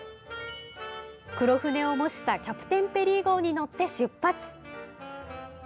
黒船を模した「キャプテンペリー号」に乗って出発。